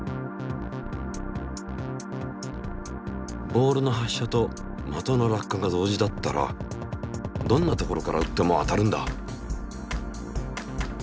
ボールの発射と的の落下が同時だったらどんな所からうっても当たるんだ。